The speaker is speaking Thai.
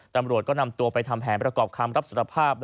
ตำรวจก็นำตัวไปทำแผนประกอบคำรับสารภาพ